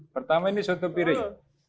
pertama ini soto piring